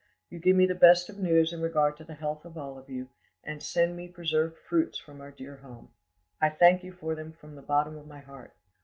You give me the best of news in regard to the health of all of you, and send me preserved fruits from our dear home. I thank you for them from the bottom of my heart.